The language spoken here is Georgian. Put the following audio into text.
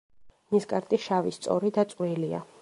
ნისკარტი შავი, სწორი და წვრილია.